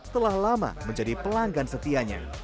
telah lama menjadi pelanggan setianya